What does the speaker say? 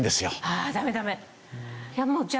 ああダメダメ。